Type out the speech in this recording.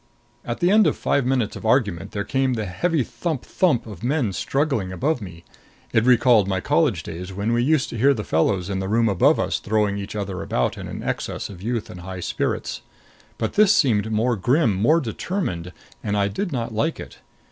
At the end of five minutes of argument there came the heavy thump thump of men struggling above me. It recalled my college days, when we used to hear the fellows in the room above us throwing each other about in an excess of youth and high spirits. But this seemed more grim, more determined, and I did not like it.